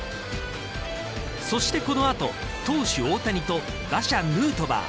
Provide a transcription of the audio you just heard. そしてこの後、投手大谷と打者、ヌートバー。